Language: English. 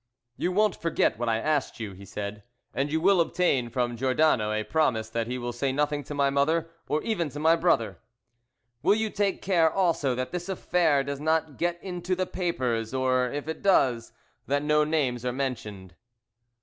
"You won't forget what I asked you?" he said, "and you will obtain from Giordano a promise that he will say nothing to my mother, or even to my brother. Will you take care, also, that this affair does not get into the papers, or, if it does, that no names are mentioned."